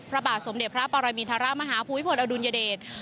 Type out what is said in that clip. พระบาทสมเด็จพระปรมินทรมาฮาภูมิพลอดุลยเดช